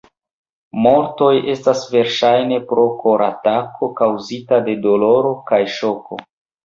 Mortoj estas verŝajne pro koratako kaŭzita de doloro kaj ŝoko.